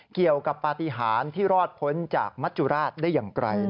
เกี่ยวกับปฏิหารที่รอดพ้นจากมัจจุราชได้อย่างไกล